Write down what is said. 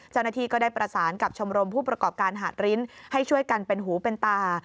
เจ้าหน้าที่ก็ได้ประสานกับชมรมผู้ประกอบการหาดริ้นให้ช่วยกันเป็นหูเป็นตา